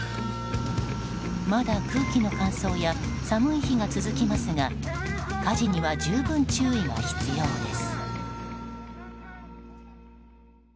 まだ空気の乾燥や寒い日が続きますが火事には十分注意が必要です。